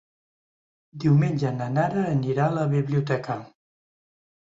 Diumenge na Nara anirà a la biblioteca.